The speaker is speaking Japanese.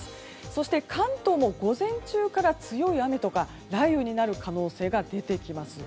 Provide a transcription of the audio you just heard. そして関東も、午前中から強い雨とか雷雨になる可能性が出てきます。